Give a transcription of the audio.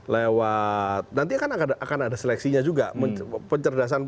lewat nanti kan akan ada seleksinya juga pencerdasan